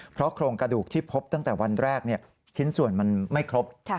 เพราะโครงกระดูกที่พบตั้งแต่วันแรกชิ้นส่วนมันไม่ครบ